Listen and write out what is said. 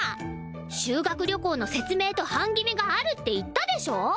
修学旅行の説明と班決めがあるって言ったでしょ！